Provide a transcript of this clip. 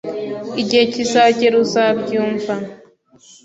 Igihe kizagera uzabyumva.